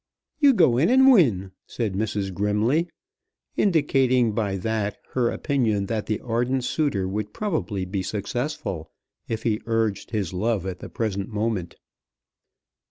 "You go in and win," said Mrs. Grimley, indicating by that her opinion that the ardent suitor would probably be successful if he urged his love at the present moment.